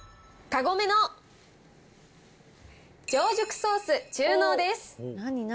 カゴメの醸熟ソース中濃です。